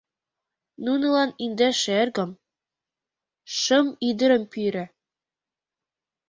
Нунылан индеш эргым, шым ӱдырым пӱрӧ.